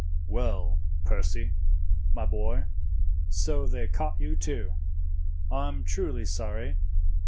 "Well, Percy, my boy, so they caught you too? I am truly sorry.